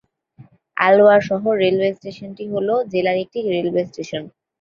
আলওয়ার শহর রেলওয়ে স্টেশনটি হল জেলার একটি রেলওয়ে স্টেশন।